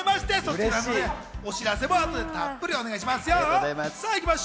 お知らせもあとでたっぷりお願いします。